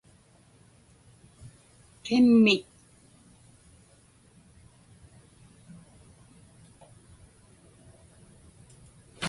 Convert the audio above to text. qimmit